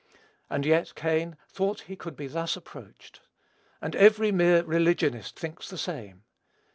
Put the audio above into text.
And yet Cain thought he could be thus approached. And every mere religionist thinks the same.